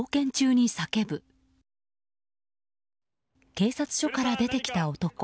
警察署から出てきた男。